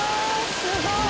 すごい。